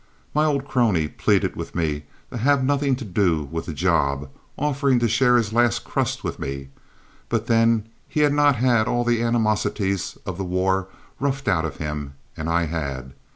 My old crony pleaded with me to have nothing to do with the job, offering to share his last crust with me; but then he had not had all the animosities of the war roughed out of him, and I had.